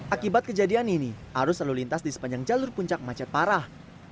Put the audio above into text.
akibat kejadian ini arus lalu lintas di sepanjang jalur puncak macet parah